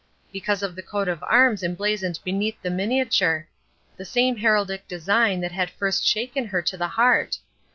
Because of the Coat of Arms emblazoned beneath the miniature. The same heraldic design that had first shaken her to the heart.